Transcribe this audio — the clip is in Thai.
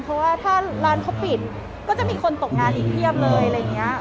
เพราะว่าถ้าร้านเขาปิดก็จะมีคนตกงานอีกเพียบเลยอะไรอย่างนี้